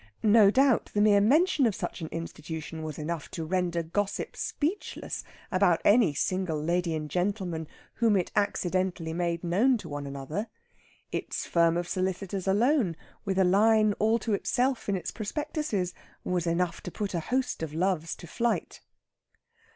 No doubt the mere mention of such an institution was enough to render gossip speechless about any single lady and gentleman whom it accidentally made known one to another. Its firm of Solicitors alone, with a line all to itself in its prospectuses, was enough to put a host of Loves to flight.